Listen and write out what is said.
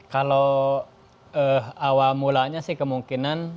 kalau awal mulanya sih kemungkinan